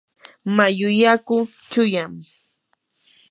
mayu yaku chuyam.